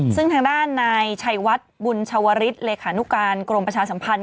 ซึ่งทางด้านนายชัยวัดบุญชวริสเลขานุการกรมประชาสัมพันธ